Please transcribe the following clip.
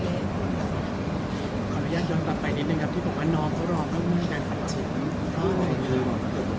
ขออนุญาตยอดต่อไปนิดนึงครับที่ผมว่าน้องก็รอเพื่อนกันปัดฉิน